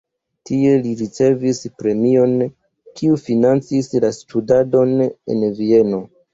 Tie li ricevis premion, kiu financis la studadon en Vieno.